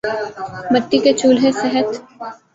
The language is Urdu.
مٹی کے چولہے صحت